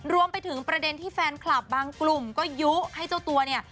รวมไปถึงประเด็นที่แฟนคลับบางกลุ่มก็ยุให้เจ้าตัวเนี่ย